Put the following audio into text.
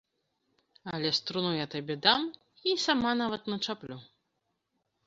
Але струну я табе дам і сама нават начаплю.